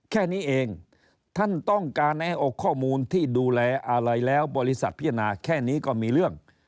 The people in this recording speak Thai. แค่นี้เองท่านต้องการให้อกข้อมูลที่ดูแลอะไรแล้วบริษัทพิจารณาแค่นี้ก็มีเรื่อง